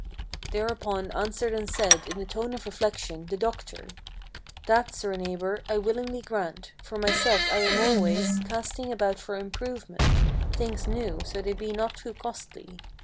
Thereupon answered and said, in a tone of reflection, the doctor: "That, sir neighbor, I willingly grant; for myself I am always Casting about for improvement, things new, so they be not too costly.